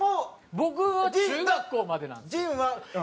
僕は中学校までなんですよ。